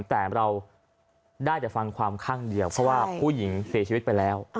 แต่เราได้แต่ฟังความข้างเดียวเพราะว่าผู้หญิงเสียชีวิตไปแล้ว